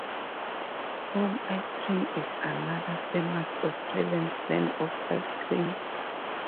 Home Ice Cream is another famous Australian brand of ice cream.